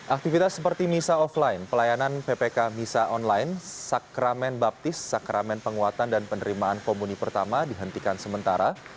aktivitas seperti misa offline pelayanan ppk misa online sakramen baptis sakramen penguatan dan penerimaan komuni pertama dihentikan sementara